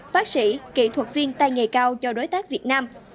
bác sĩ kỹ thuật viên tai nghề cao cho đối tác việt nam